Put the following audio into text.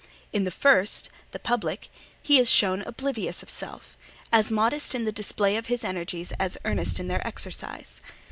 In the first, the public, he is shown oblivious of self; as modest in the display of his energies, as earnest in their exercise.